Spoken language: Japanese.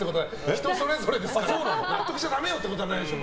人それぞれですから納得しちゃダメよってことはないでしょ。